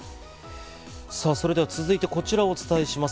それでは続いて、こちらをお伝えします。